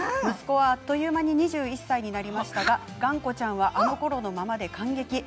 息子はあっという間に２１歳になりましたががんこちゃんはあのころのままで感激。